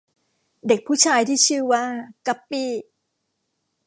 เด็กผู้ชายที่ชื่อว่า กั๊ปปี้